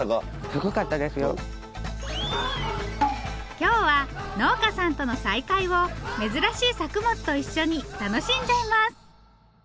今日は農家さんとの再会を珍しい作物と一緒に楽しんじゃいます。